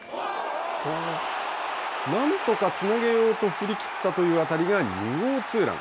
なんとかつなげようと振り切ったという当たりが２号ツーラン。